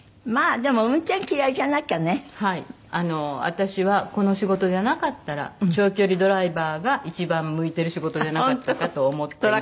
私はこの仕事じゃなかったら長距離ドライバーが一番向いてる仕事じゃなかったかと思っているので。